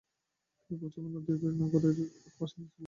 তিনি পশ্চিমবঙ্গের নদীয়া জেলার বীরনগরের বাসিন্দা ছিলেন।